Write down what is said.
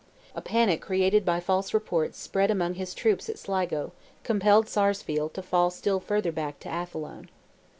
A panic created by false reports spread among his troops at Sligo, compelled Sarsfield to fall still further back to Athlone.